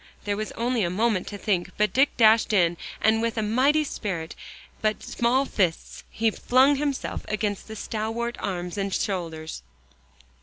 There was only a moment to think, but Dick dashed in, and with a mighty spirit, but small fists, he flung himself against the stalwart arms and shoulders.